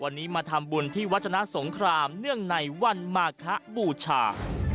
วันนี้มาทำบุญที่วัฒนาสงครามเนื่องในวันมาคะบูชา